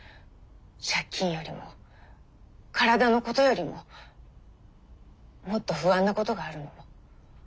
借金よりも体のことよりももっと不安なことがあるの。